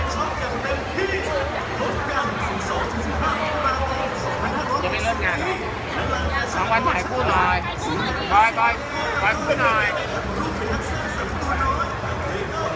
ตอนนี้ก็ไม่มีเริ่มงานหรอกตอนนี้ก็ไม่มีเริ่มงานหรอก